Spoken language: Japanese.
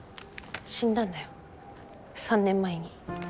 死んだんだよ３年前に。